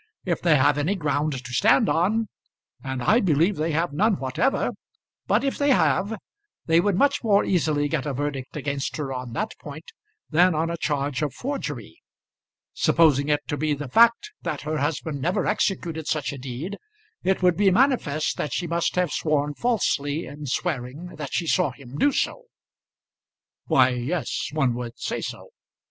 If they have any ground to stand on and I believe they have none whatever, but if they have, they would much more easily get a verdict against her on that point than on a charge of forgery. Supposing it to be the fact that her husband never executed such a deed, it would be manifest that she must have sworn falsely in swearing that she saw him do so." "Why, yes; one would say so."